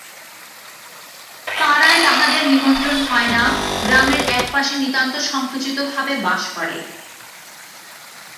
পাড়ায় তাহাদের নিমন্ত্রণ হয় না, গ্রামের একপাশে নিতান্ত সংকুচিত ভাবে বাস করে।